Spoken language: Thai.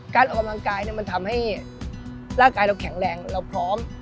การออกกำลังกายมันทำให้ร่างกายเราแข็งแรงเราพร้อม